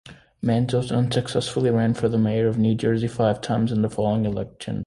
Manzo unsuccessfully ran for mayor of Jersey City five times in the following elections.